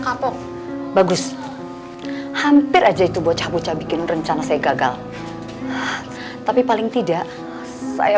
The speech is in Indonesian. kapok bagus hampir aja itu bocah bocah bikin rencana saya gagal tapi paling tidak saya